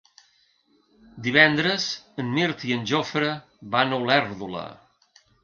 Divendres en Mirt i en Jofre van a Olèrdola.